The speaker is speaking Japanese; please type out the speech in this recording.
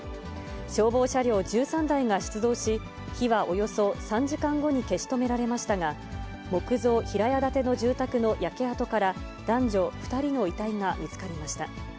消防車両１３台が出動し、火はおよそ３時間後に消し止められましたが、木造平屋建ての住宅の焼け跡から、男女２人の遺体が見つかりました。